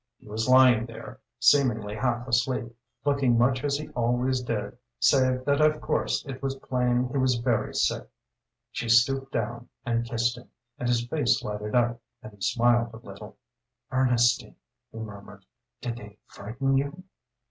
He was lying there, seemingly half asleep, looking much as he always did, save that of course it was plain he was very sick. She stooped down and kissed him, and his face lighted up, and he smiled a little. "Ernestine," he murmured, "did they frighten you?"